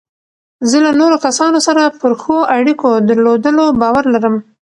زه له نورو کسانو سره پر ښو اړیکو درلودلو باور لرم.